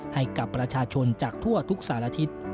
ให้กับประชาชนจากทั่วทุกสารทิศ